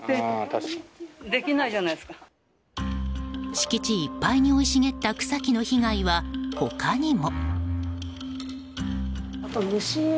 敷地いっぱいに生い茂った草木の被害は、他にも。